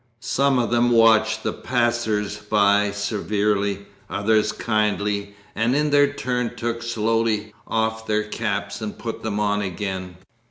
Some of them watched the passers by severely, others kindly, and in their turn slowly took off their caps and put them on again.